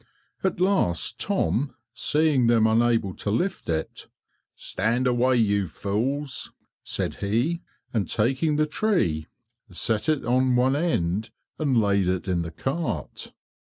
At last Tom, seeing them unable to lift it, "Stand away, you fools," said he, and taking the tree, set it on one end and laid it in the cart.